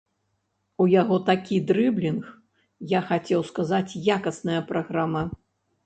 У яго такі дрыблінг, я хацеў сказаць якасная праграма.